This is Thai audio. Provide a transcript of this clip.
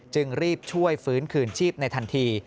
จึงรีบช่วยฟื้นคืนชีพในทันที